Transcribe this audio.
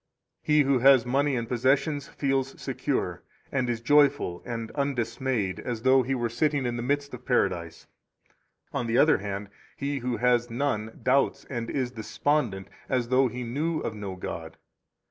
7 He who has money and possessions feels secure, and is joyful and undismayed as though he were sitting in the midst of Paradise. 8 On the other hand, he who has none doubts and is despondent, as though he knew of no God.